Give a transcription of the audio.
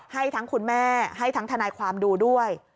ให้ทั้งคุณแม่ให้ทั้งทนายความดูด้วย